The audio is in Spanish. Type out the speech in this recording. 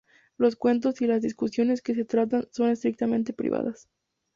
Los encuentros y las discusiones que se tratan son estrictamente privadas.